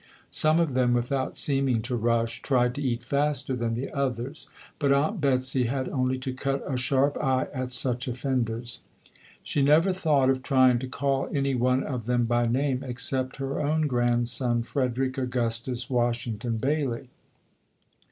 Some of them, without seeming to rush, tried to eat faster than the others, but Aunt Betsy had only to cut a sharp eye at such offenders. She never thought of trying to call any one of them by name except her own grandson, Freder FREDERICK DOUGLASS [ 13 ick Augustus Washington Bailey.